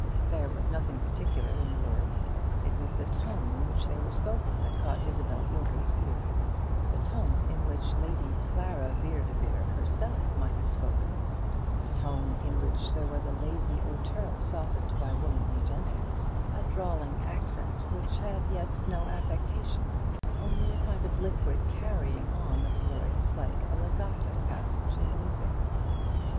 There was nothing particular in the words: it was the tone in which they were spoken that caught Isabel Gilbert's ear the tone in which Lady Clara Vere de Vere herself might have spoken; a tone in winch there was a lazy hauteur softened by womanly gentleness, a drawling accent which had yet no affectation, only a kind of liquid carrying on of the voice, like a legato passage in music.